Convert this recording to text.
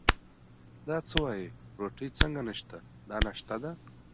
دا څه وایې، روټۍ څنګه نشته، دا ناشتا ده.